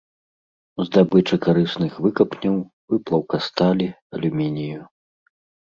Здабыча карысных выкапняў, выплаўка сталі, алюмінію.